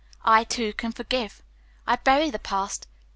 I, too, can forgive. I bury the sad past.